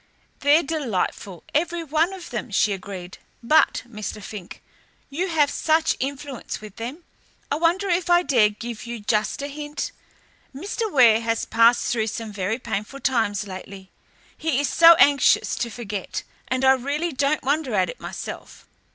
"They're delightful, every one of them," she agreed, "but, Mr. Fink, you have such influence with them, I wonder if I dare give you just a hint? Mr. Ware has passed through some very painful times lately. He is so anxious to forget, and I really don't wonder at it myself.